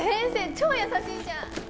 超優しいじゃん！